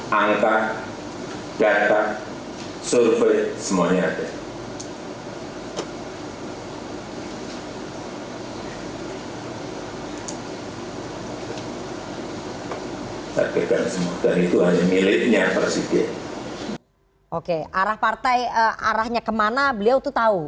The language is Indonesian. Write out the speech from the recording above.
hai takutkan semoga itu ada miliknya persikipan oke arah partai arahnya kemana beliau tuh tahu